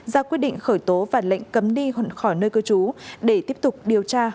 ra quyết định khởi tố và lệnh cấm đi khỏi nơi cư trú để tiếp tục điều tra